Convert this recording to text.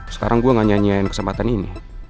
sekarang gue gak nyanyiin kesempatan ini